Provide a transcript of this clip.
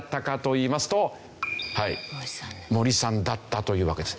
森さんだったというわけです。